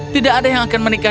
tidak ada yang akan menikah